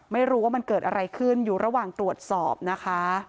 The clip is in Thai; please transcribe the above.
ไม่รู้ว่ามันเกิดอะไรขึ้นอยู่ระหว่างตรวจสอบนะคะ